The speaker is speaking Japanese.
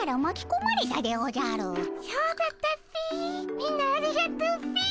みんなありがとうっピィ。